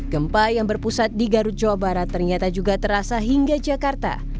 gempa yang berpusat di garut jawa barat ternyata juga terasa hingga jakarta